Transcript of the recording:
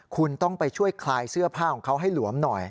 คุณต้องไปช่วยคลายเสื้อผ้าของเขาให้หลวมหน่อย